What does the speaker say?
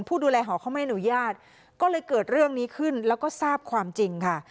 ผู้ดูแลหอเขาไม่อนุญาตก็เลยเกิดเรื่องนี้ขึ้นแล้วก็ทราบความจริงค่ะ